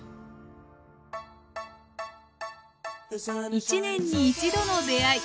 １年に１度の出会い。